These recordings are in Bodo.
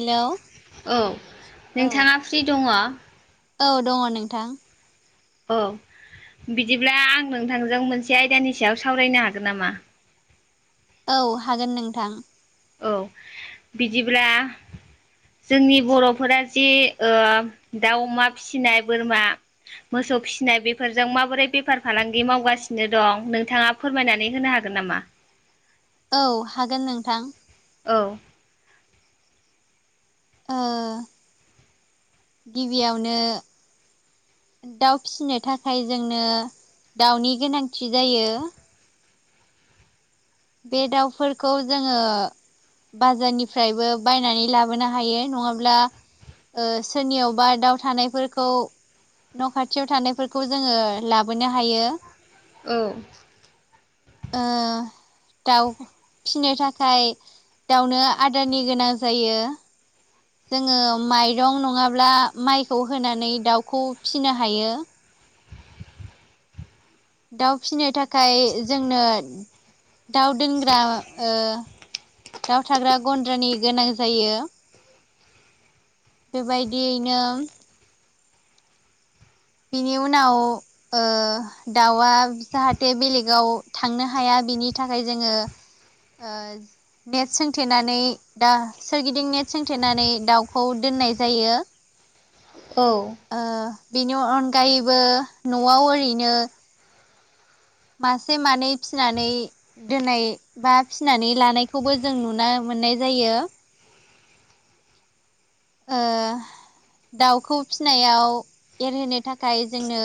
हेलौ औ औ नोंथाङा फ्रि दङ? औ दङ नोंथां औ। बिदिब्ला आं नोंथांजों मोनसे आयदानि सायाव सावरायनो हागोन नामा औ हागोन नोंथां औ बिदिब्ला जोंनि बर'फोरा जि दाउ अमा फिसिनाय बोरमा मोसौ मोसौ फिसिनाय बेफोरजों माबोरै बेफार फालांगि मावगासिनो दं नोंथाङा फोरमायनानै होनो हागोन नामा [inaudible] औ हागोन नोंथां औ गिबियावनो दाउ फिसिनो थाखाय जोंनो दाउनि गोनांथि जायो बे दाउफोरखौ जोङो बाजारनिफ्रायबो बायनानै लाबोनो हायो नङाब्ला सोरनियावबा दाउ थानायफोरखौ न' खाथियाव थानायफोरखौ जोङो लाबोनो हायो औ। ओ दाउ फिसिनो थाखाय दाउनो आदारनि गोनां जायो। जोङो माइरं नङाब्ला माइखौ होनानै दाउखौ फिसिनो हायो । दाउ फिसिनो थाखाय जोंनो दााव दोंग्रा दाउ थाग्रा गन्द्रानि गोनां जायो बेबायदिङो बिनि उनाव दाउआ जाहाथे बेलेगाव थांनो हाया बिनि थाखाय जोङो ओ नेट सोंथेनानै दा सोरगिदिं नेट सोंथेनानै दाउखौ दोननाय जायो [inaudible] औ ओ बेनि अनगायैबो न'आव ओरैनो मासे मानै फिनानै दोननाय बा फिसिनानै लानायखौबो जों नु मोन मोननाय जायो । ओ । दाउखौ फिसिनायाव एरहोनो थाखाय जोंनो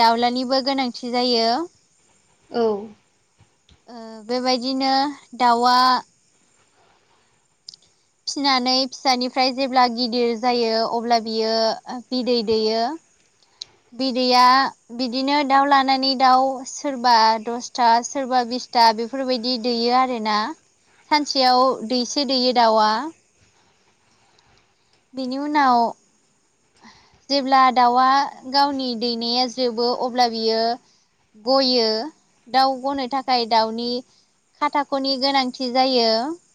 दाउलानिबो गोनांथि जायो । औ । बेबायदिनो दाउआ फिनानै फिसानिफ्राय जेब्ला गिदिर जायो अब्ला बियो बिदै दैयो बिदैया बिदिनो दाउ लानानै दाउ सोरबा दसथा सोरबा बिस था बेफोरबायदि दैायो आरोोना सानसेयाव दैसे दैयो दाउआ बेनि उनाव जेब्ला दाउआ गावनि दैनाया जोबो अब्ला बियो गयो दाउ गनो थाखाय दाउनि खाथाख'नि गोनांथि जायो ।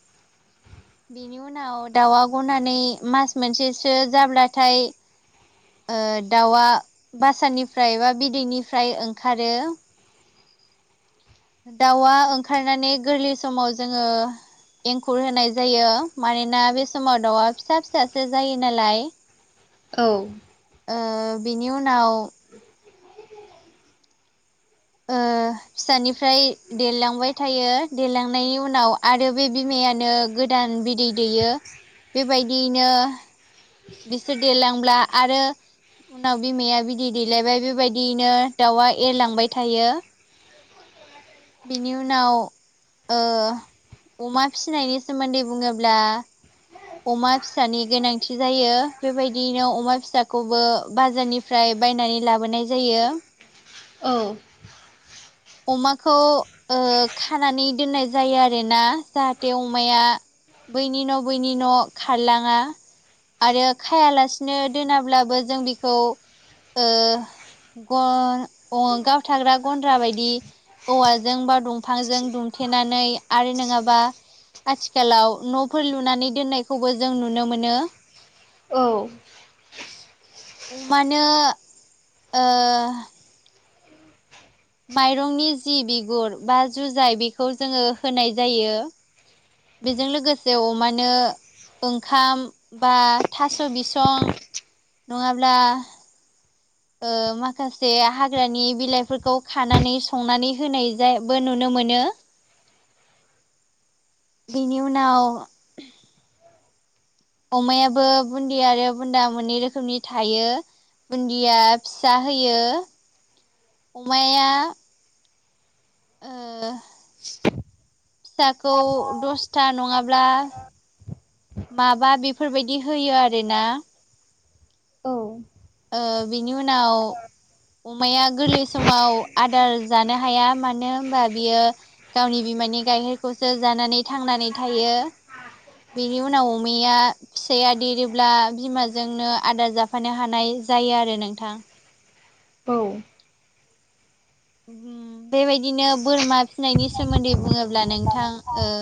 बेनि उनाव दाउआ गनानै मास मोनसेसो जाब्लाथाय दाउआ बासानिफ्राय बा बिदैनिफ्राय ओंखारो [inaudible] दाउआ ओंखारनानै गोरलै समाव जोङो एंखुर होनाय जायो मानोना बे समाव दाउआ फिसा फिसासो जायो नालाय औ । ओ बिनि उनाव ओ फिसानिफ्राय देरलांबाय थायो देरलांनायनि उनाव आरो बे बिमाया नो गोदान बिदै दैयो बेबायदियैनो बिसोर देरलांब्ला आरो उनाव बिमाया बिदै दैेलायबाय बेबायदियैनो दाउआ एरलांबाय थायो बेनि उनाव ओ अमा फिनायनि सोमोन्दै बुङोब्ला अमा फिसानि गोनांथि जायो बेबायदिनो अमा फिसाखौबो बाजारनिफ्राय बायनानै लाबोनाय जायो । औ । अमाखौ ओ खानानै दोननाय जायो आरोोना जाहाथे अमाया बैनि न' बैनि न' खारलाङा आरो खायालासिनो दोनाब्लाबो जों बेखौ ओ गावथाग्रा गन्द्रा बायदि औवाजों बा दंफांजों दुमथेनानै आरो नङाबा आथिखालाव न'फोर लुनानै दोननायखौबो जों नुनो मोनो औ । अमानो ओ माइरंनि जि बिगुर बा जुजाय बेखौ जोङो होनाय जायो । बेजों लोगोसे अमानो ओंखाम बा थास बिसं नङाब्ला ओ माखासे हाग्रानि बिलाइफोरखौ खानानै संनानै होनाय जाबो नुनो मोनो बेनि उनाव अमायाबो बुन्दि आरो बुन्दा मोननै रोखोमनि थायो बुन्दिया फिसा होयो अमाया ओ [unintelligible] फिसाखौ दसथा नङा - -ब्ला माबा बेफोरबायदि होयो आरोना औ ओ बिनि उनाव अमाया गोरलै समाव आदार जानो हाया मानो ओनबा बियो गावनि बि मानि गायखेरखौसो जानानै थांनानै थायो। बेनि उनाव अमाया फिसाया देरोब्ला बिमाजोंनो आदार जाफानो हानाय। जायो आरो नोंथां। औ बेबायदिनो बोरमा फिनायनि सोमोन्दै बुङोब्ला नोंथां ओ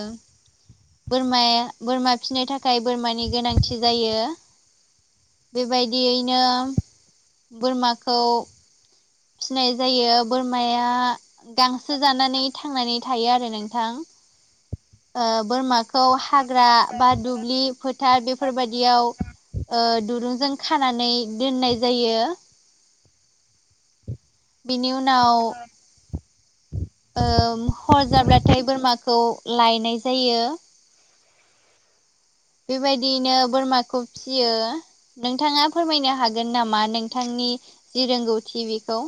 बोरमाया बोरमा फिसिनो थाखाय बोरमानि गोनांथि जायो। बेबायदियैनो बोरमाखौ फिनाय जायो बोरमाया गांसो जानानै थांनानै थायो आरो नोंथां। [inaudible] ओ बोरमाखौ हाग्रा बा दुब्लि फोथार बेफोरबायदियाव ओ दुरुंजों खानानै दोननाय जायो। बेनि उनाव ओ हर जाब्लाथाय बोरमाखौ लायनाय जायो। बेबायदियैनो बोरमाखौ फियो नोंथाङा फोरमायनो हागोन नामा नोंथां नि जि रोंगौथि बेखौ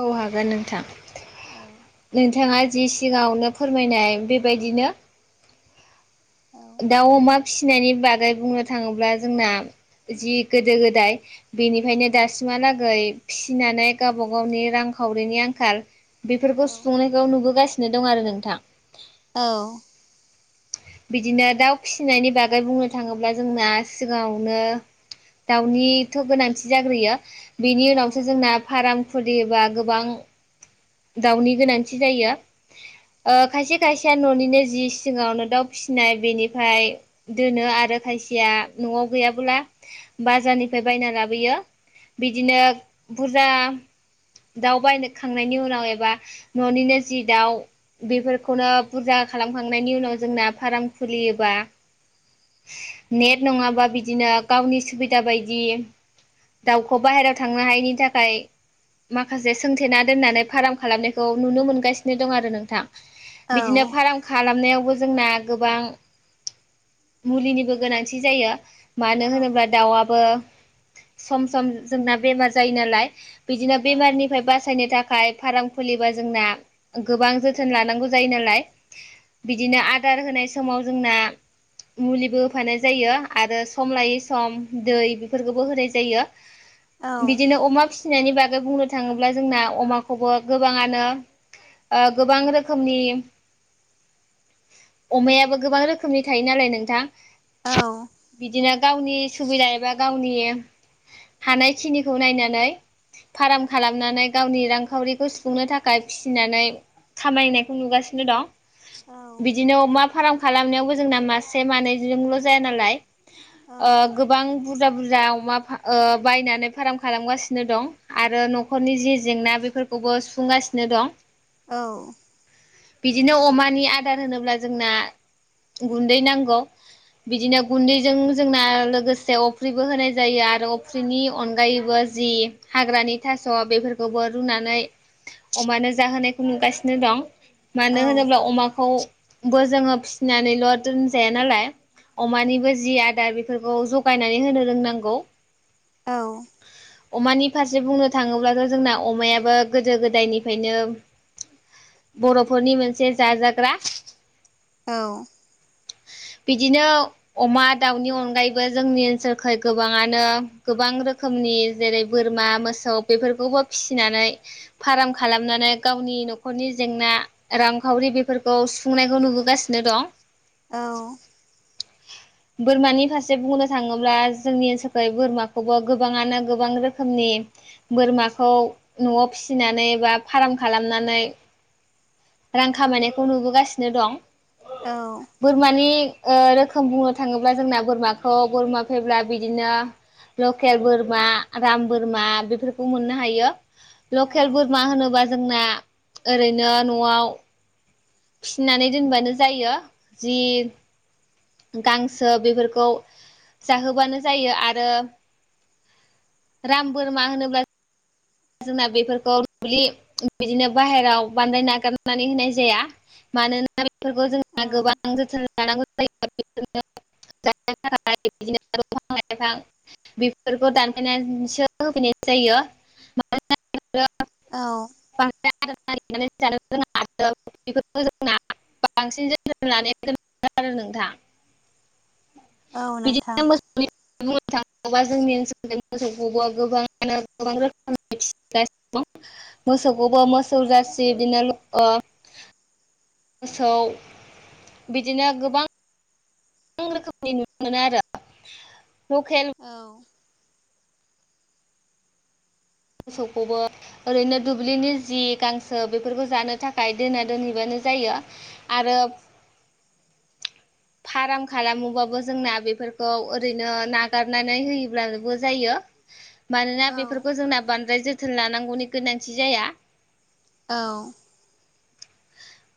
औ हागोन नोंथां नोंथाङा जि सिगाङावनो फोरमायनाय बेबायदिनो औ दाउ अमा फिसिनायनि बागै बुंनो थाङोब्ला जोंना जि गोदो गोदाय बेनिफ्रायनो दासिमहालागै फिसिनानै गावबा गावनि रां खावरिनि आंखाल बेफोरखौ सुफुंनायखौ नुबोगासिनो दं आरो नोंथां औ बिदिनो दाउ फिसिनायनि बागै बुंनो थाङोब्ला जोंना सिगाङावनो दाउनिथ गोनांथि जाग्रोयो। बेनि उनावसो जोंना फार्म खुलियोबा गोबां दाउनि गोनांथि जायो। ओ खायसे खायसेया ननिनो जि सिङावनो दाउ फिसिनाय बेनिफ्राय दोनो आरो खायसिया नआव गैयाबोला बाजारनिफ्राय बायना लाबोयो। बिदिनो बुरजा दाव बायनोखांनायनि उनाव एबा न'निनो जि दाउ बेफोरखौनो बुरजा खालामखांनायनि उनाव जोंना फार्म खुलियोबा नेट नङाबा बिदिनो गावनि सुबिदा बायदि दाउखौ बाहेरायाव थांनो हायैनि थाखाय माखासे सोंथेना दोननानै फार्म खालामनायखौ नुनो मोनगासिनो दं आरो नोंथां औ बिदिनो फार्म खालामनायावबो जोंना गोबां मुलिनिबो गोनांथि जायो। मानो औ होनोब्ला दाउआबो सम सम जोंना बेमार जायो नालाय। बिदिनो बेमारनिफ्राय बासायनो थाखाय फार्म खुलिबा जोंना गोबां जोथोन लानांगौ जायो नालाय। बिदिनो आदार होनाय समाव जोंना मुलिबो होफानाय जायो आरो सम लायै सम दै बेफोरखौबो होनाय जायो। औ बिदिनो अमा फिसिनायनि बागै बुंनो थाङोब्ला जोंना अमाखौ खौबो गोबाङानो गोबां रोखोमनि अमायाबो गोबां रोखोमनि थायो नालाय नोंथां। औ बिदिनो गावनि सुबिदा एबा गावनि हानायखिनिखौ नायनानै फार्म खालामनानै गावनि रां खावरिखौ सुफुंनो थाखाय फिसिनानै खामायनायखौ नुगासिनो दं। बिदिनो अमा फार्म खालामनायावबो जोंना मासे मानैजोंल' जाया नालाय। ओ गोबां बुरजा बुरजा अमा ओ बायनानै फार्म खालामगासिनो दं आरो न'खरनि जि जेंना बेफोर खौबो सुफुंगासिनो दं औ बिदिनो अमानि आदार होनोब्ला जोंना गुन्दै नांगौ बिदिनो गुन्दैजों जोंना लोगोसे अफ्रिबो होनाय जायो आरो अफ्रिनि अनगायैबो जि हाग्रानि थास' बेफोरखौबो रुनानै अमानो जाहोनायखौ नुगासिनो दं मानो होनोब्ला अमाखौ बो जोङो फिसिनानैल' दोनजाया नालाय अमानिबो जि आदार बेफोरखौ जगायनानै होनो रोंनांगौ औ अमानि फारसे बुंनो थाङोब्लाथ' जोंना अमायाबो गोदो गोदायनिफ्रायनो बर'फोरनि मोनसे जाजाग्रा औ [unintelligible] [inaudible] बिदिनो अमा दाउनि अनगायैबो जोंनि ओनसोलखै गोबाङानो गोबां रोखोमनि जेरै बोरमा मोसौ बेफोरखौबो फिसिनानै फार्म खालामनानै गावनि न'खरनि जेंना रांखावरि बेफोरखौ सुफुंनायखौ नुबो गासिनो दं। औ बोरमानि फारसे बुंनो थाङोब्ला जोंनि ओनसोलखै बोरमाखौबो गोबाङानो गोबां रोखोमनि बोरमाखौ न'आव फिसिनानै बा फार्म खालामनानै रां खामायनायखौ नुबोगासिनो दं औ बोरमानि ओ रोखोम बुंनो थाङोब्ला जोंना बोरमाखौ बोरमा फैब्ला बिदिनो लकेल बोरमा राम बोरमा बेफोरखौ मोननो हायो लकेल औ बोरमा होनोबा जोंना ओरैनो न'आव फिनानै दोनबानो जायो जि गांसो बेफोरखौ जाहोबानो जायो आरो राम बोरमा होनोब्ला जोंना बेफोरखौ दुब्लि बिदिनो बाहेरायाव बानायद नागारनानै होनाय जाया मानोना बेफोरखौ जोंहा गोबां जोथोन लानांगौ जायो बिदिनो [unintelligible] [inaudible] लाइफां बेफोरखौ दानफायनानैसो होफैनाय जायो [unintelligible] [inaudible] [unintelligible] [inaudible] औ बांसिन जोथोन लानायखौ नुयो आरो नोंथां औ नोंथां बिदिनो मोसौनि बुंनो थाङोबा जोंनि ओनसोलाव मोसौखौब'आ गोबाङानो गोबां रोखोमै फिगासिनो दं। मोसौखौबो मोसौ जासि बिदिनो मोसौ बिदिनो गोबां गोबां रोखोमनि नुनो मोनो आरो लकेल औ मोसौखौबो ओरैनो दुब्लिनि जि गांसो बेफोरखौ जानो थाखाय दोना दोनहैबानो जायो आरो फ्राम खालामोबाबो जोंना बेफोरखौ ओरैनो नागारनानै होयोब्लाबो जायो मानोना औ बेफोरखौ जोंना बांद्राय जोथोन लानांगौनि गोनांथि जाया औ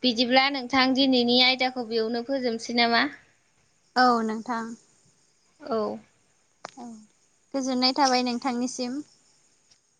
बिदिब्ला नोंथां दिनैनि आयदाखौ बेयावनो फोजोबसै नामा औ नोंथां औ औ गोजोननाय थाबाय नोंथांनिसिम